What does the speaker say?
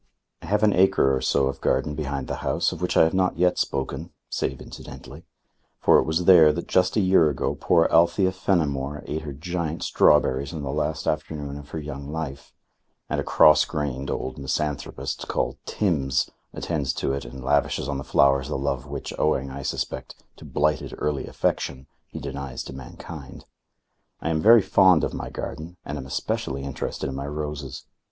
I have an acre or so of garden behind the house of which I have not yet spoken, save incidentally for it was there that just a year ago poor Althea Fenimore ate her giant strawberries on the last afternoon of her young life; and a cross grained old misanthropist, called Timbs, attends to it and lavishes on the flowers the love which, owing, I suspect, to blighted early affection, he denies to mankind. I am very fond of my garden and am especially interested in my roses.